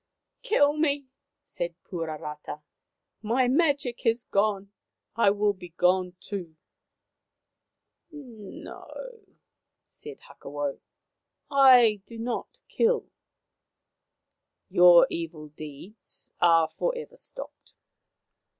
" Kill me," said Puarata. " My magic is gone. I would be gone, too." " No," said Hakawau. " I do not kill. Your evil deeds are for ever stopped."